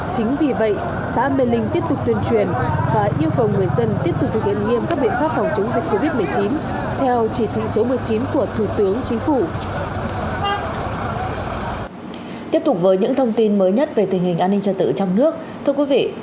chính vì vậy xã mê linh tiếp tục tuyên truyền và yêu cầu người dân tiếp tục thực hiện nghiêm các biện pháp phòng chống dịch covid một mươi chín